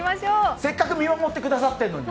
せっかく見守ってくださっているのに。